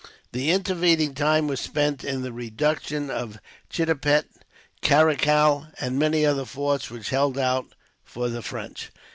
The intervening time was spent in the reduction of Chittapett, Karical, and many other forts which held out for the French.